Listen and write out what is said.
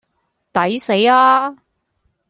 抵死呀